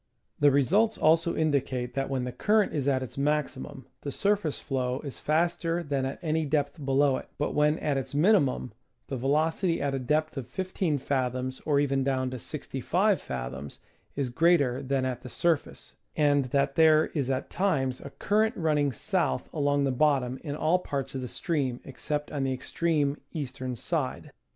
The results also indicate that when the current is at its maximum the surface flow is faster than at any depth below it, but when at its minimum the veloc ity at a depth of 15 fathoms or even down to 65 fathoms is greater than at the surface, and that there is at times a current running south along the bottom in all parts of the stream except on the extreme eastern side.